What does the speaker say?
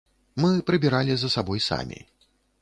Мы прыбіралі за сабой самі.